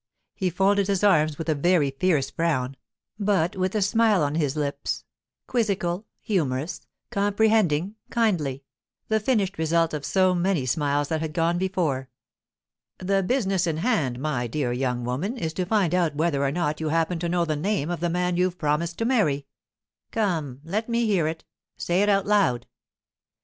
He folded his arms with a very fierce frown, but with a smile on his lips, quizzical, humorous, comprehending, kindly—the finished result of so many smiles that had gone before. 'The business in hand, my dear young woman, is to find out whether or not you happen to know the name of the man you've promised to marry. Come, let me hear it; say it out loud.